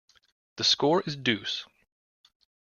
The score is deuce.